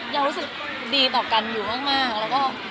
ยังรู้สึกดีต่อกันอยู่มาก